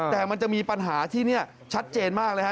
แต่มันจะมีปัญหาที่นี่ชัดเจนมากเลยฮะ